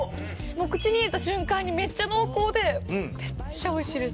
口に入れた瞬間にめっちゃ濃厚でめっちゃおいしいです